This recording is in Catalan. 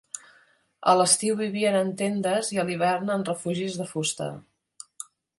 A l'estiu vivien en tendes i a l'hivern en refugis de fusta.